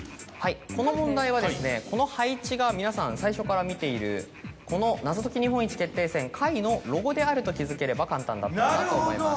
この問題はこの配置が皆さん最初から見ているこの『謎解き日本一決定戦Ｘ』のロゴであると気付ければ簡単だったと思います。